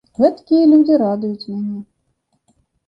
Гэткія людзі радуюць мяне.